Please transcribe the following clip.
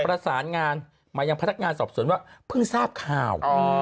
ประสานงานมายังพนักงานสอบสวนว่าเพิ่งทราบข่าว